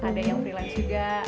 ada yang freelance juga